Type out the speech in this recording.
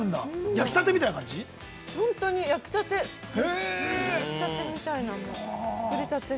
◆本当に焼きたて。